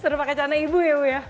seru pakai celana ibu ya bu ya